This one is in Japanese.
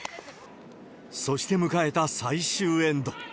そして迎えた最終エンド。